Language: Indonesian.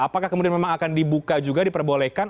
apakah kemudian memang akan dibuka juga diperbolehkan